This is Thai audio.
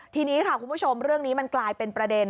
ทีนี้ค่ะคุณผู้ชมเรื่องนี้มันกลายเป็นประเด็น